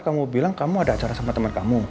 kamu bilang kamu ada acara sama teman kamu